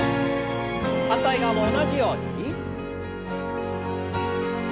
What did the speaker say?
反対側も同じように。